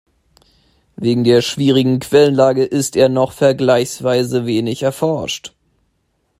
Wegen der schwierigen Quellenlage ist er noch vergleichsweise wenig erforscht.